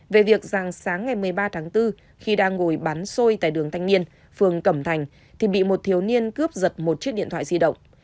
về việc rằng sáng ngày một mươi ba tháng bốn khi đang ngồi bán xôi tại đường thanh niên phường cẩm thành thì bị một thiếu niên cướp giật một chiếc điện thoại di động